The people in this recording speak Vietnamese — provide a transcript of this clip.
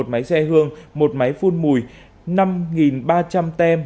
một máy xe hương một máy phun mùi năm ba trăm linh tem